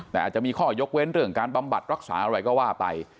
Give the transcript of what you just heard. แต่อาจจะมีข้อยกเว้นเรื่องการบำบัดรักษาอะไรก็ว่าไป